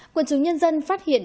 quân chủ nhân dân phát hiện